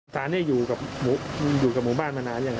สารนี้อยู่กับหมู่บ้านมานานหรือยังครับ